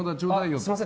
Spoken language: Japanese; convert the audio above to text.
すみません